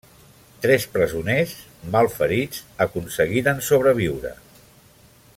Tres presoners, malferits, aconseguiren sobreviure.